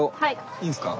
いいんすか？